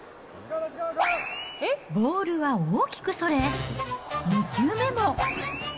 ボールは大きくそれ、２球目も。